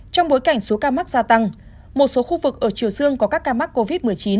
trong bối cảnh số ca mắc gia tăng một số khu vực ở chiều dương có các ca mắc covid một mươi chín